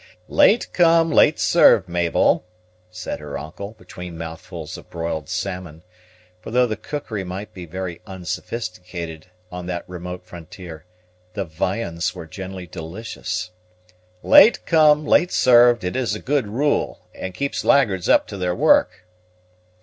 "Late come, late served, Mabel," said her uncle, between mouthfuls of broiled salmon; for though the cookery might be very unsophisticated on that remote frontier, the viands were generally delicious, "late come, late served; it is a good rule, and keeps laggards up to their work."